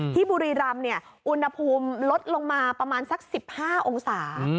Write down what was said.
บุรีรำอุณหภูมิลดลงมาประมาณสัก๑๕องศา